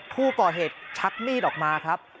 ผู้ก่อเหตุชักมีดออกมาครับ